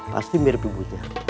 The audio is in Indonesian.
pasti mirip ibunya